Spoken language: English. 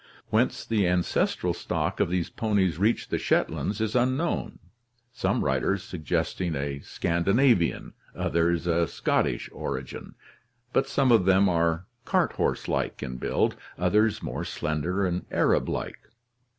Whence the ancestral stock of these ponies reached the Shetlands is unknown, some writers suggesting a Scandinavian, others a Scottish origin, but some of them are cart horse like in build, others more slender and Arab like.